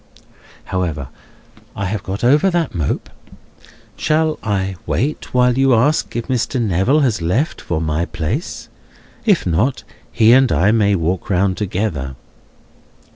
However, I have got over that mope. Shall I wait, while you ask if Mr. Neville has left for my place? If not, he and I may walk round together."